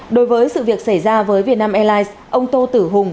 đối với sự việc xảy ra với vietnam airlines ông tô tử hùng